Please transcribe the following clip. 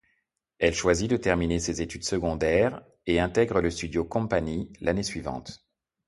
Elle choisit de terminer ses études secondaires, et intègre la studio company l'année suivante.